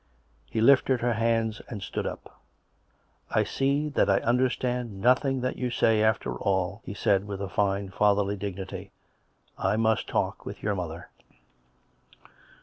He lifted her hands and stood up. " I see that I understand nothing that you say after all," he said with a fine fatherly dignity. " I must talk with your mother."